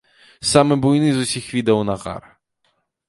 Самы буйны з усіх відаў нагар.